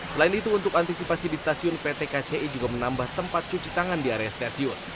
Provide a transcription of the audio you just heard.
selain itu untuk antisipasi di stasiun pt kci juga menambah tempat cuci tangan di area stasiun